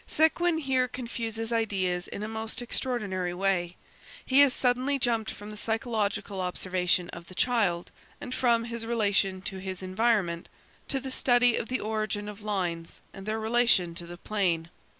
Séguin here confuses ideas in a most extraordinary way. He has suddenly jumped from the psychological observation of the child and from his relation to his environment, to the study of the origin of lines and their relation to the plane.